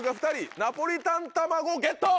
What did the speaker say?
ナポリタン玉子ゲット！